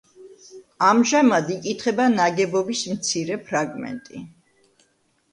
ამჟამად იკითხება ნაგებობის მცირე ფრაგმენტი.